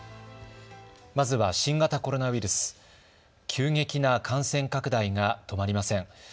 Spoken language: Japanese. まずは新型コロナウイルス、急激な感染拡大が止まりません。